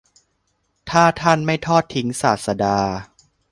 ถ้าท่านไม่ทอดทิ้งศาสดา